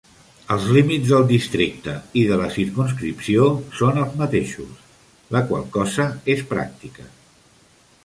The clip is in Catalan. Els límits del districte i de la circumscripció són els mateixos, la qual cosa és pràctica.